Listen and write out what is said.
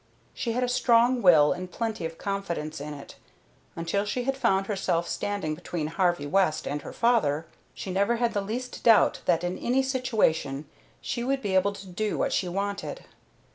She had a strong will and plenty of confidence in it. Until she had found herself standing between Harvey West and her father, she never had the least doubt that in any situation she would be able to do what she wanted.